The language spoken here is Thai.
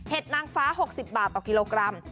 นางฟ้า๖๐บาทต่อกิโลกรัม